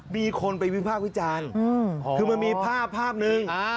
มีคนไปวิภาควิจารณ์คือมันมีภาพภาพหนึ่ง